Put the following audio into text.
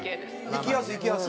行きやすい行きやすい。